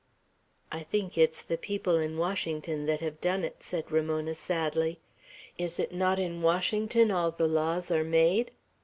"I think it's the people in Washington that have done it," said Ramona, sadly. "Is it not in Washington all the laws are made?"